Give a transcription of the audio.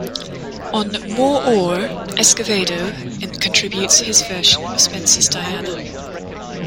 On "More Oar", Escovedo contributes his version of Spence's "Diana".